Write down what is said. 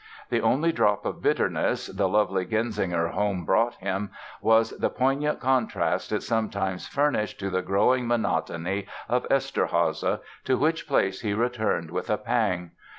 The only drop of bitterness the lovely Genzinger home brought him was the poignant contrast it sometimes furnished to the growing monotony of Eszterháza, to which place he returned with a pang.